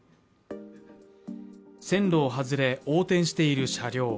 線路を外れ、横転している車両。